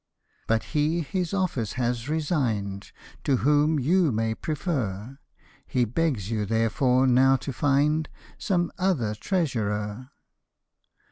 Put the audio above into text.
" But he his office has resign'd To whom you may prefer ; He begs you therefore now to find Some other treasurer."